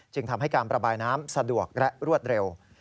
ทำให้การประบายน้ำสะดวกและรวดเร็ว